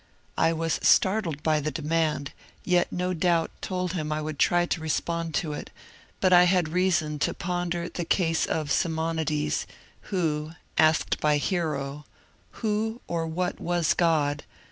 I was startled by the demand, yet no doubt told him I would try to respond to it; but I had reason to ponder the case of Simonides, who, asked by Hiero, *^ Who or what was God